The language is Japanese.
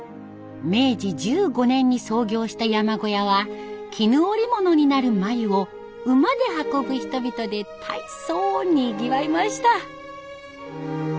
明治１５年に創業した山小屋は絹織物になる繭を馬で運ぶ人々で大層にぎわいました。